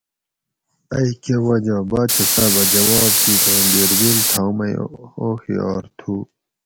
ائ کۤہ وجہ؟ باچہ صاحبہ جواب دِیت ھوں بیربل تھا مئ ھوخیار تھو